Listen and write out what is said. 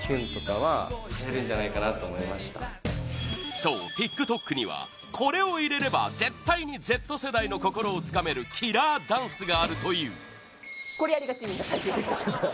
そう、ＴｉｋＴｏｋにはこれを入れれば絶対にＺ世代の心をつかめるキラーダンスがあるというロイ：これやりがちみんな最近。